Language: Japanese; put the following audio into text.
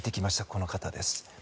この方です。